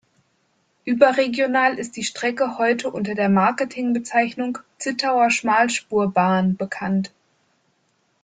Überregional ist die Strecke heute unter der Marketingbezeichnung Zittauer Schmalspurbahn bekannt.